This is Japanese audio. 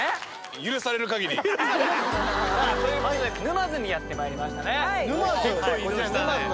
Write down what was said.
許されるかぎり。ということで沼津にやってまいりましたね。